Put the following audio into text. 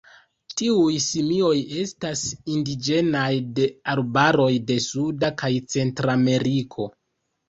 Tiuj simioj estas indiĝenaj de arbaroj de Suda kaj Centrameriko.